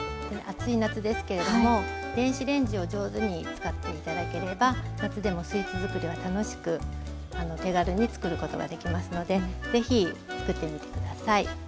暑い夏ですけれども電子レンジを上手に使って頂ければ夏でもスイーツ作りは楽しく手軽に作ることができますので是非作ってみて下さい。